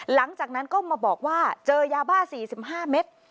หลังจากนั้นก็มาบอกว่าเจอยาบ้า๔๕เมตร